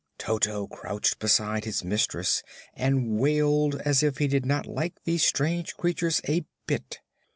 Toto crouched beside his mistress and wailed as if he did not like these strange creatures a bit.